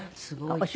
すごい。